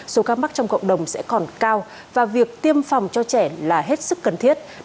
số ca mắc trong cộng đồng sẽ còn cao và việc tiêm phòng cho trẻ là hết sức cần thiết